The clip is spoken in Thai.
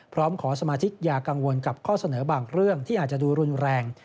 พร้อมขอสมาชิกอย่ากังวลกับข้อเสนอบางเรื่องที่อาจจะดูรุนแรง